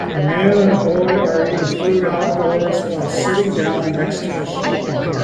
A man and boy are eating food outdoors while sitting down next to a shopping cart